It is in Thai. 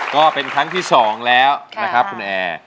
ก็เป็นครั้งที่๒แล้วนะครับคุณแอร์